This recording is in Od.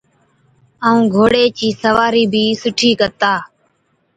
ائُون گھوڙي چِي سوارِي بِي سُٺِي ڪتا،